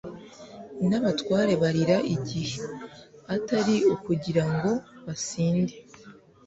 n'abatware barira igihe, atari ukugira ngo basinde